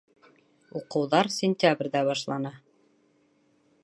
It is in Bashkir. Уҡыуҙар сентябрҙә башлана.